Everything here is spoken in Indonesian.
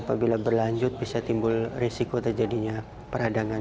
apabila berlanjut bisa timbul resiko terjadinya peradangan